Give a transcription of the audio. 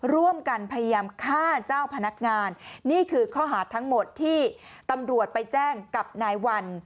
ร่วมกันพยายามฆ่าเจ้าพนักงานนี่คือข้อหาทั้งหมดที่ตำรวจไปแจ้งกับนายวัน